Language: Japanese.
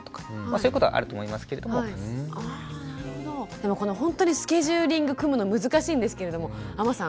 でもこの本当にスケジューリング組むの難しいんですけれども阿真さん